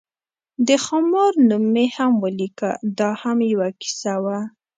د خامار نوم مې هم ولیکه، دا هم یوه کیسه وه.